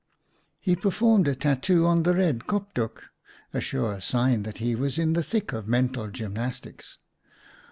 He performed a tattoo on the red kopdoek — a sure sign that he was in the thick of mental gymnastics.